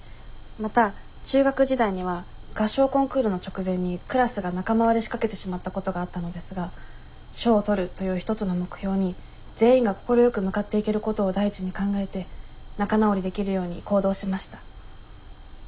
また中学時代には合唱コンクールの直前にクラスが仲間割れしかけてしまったことがあったのですが賞を取るという一つの目標に全員が快く向かっていけることを第一に考えて仲直りできるように行動しました。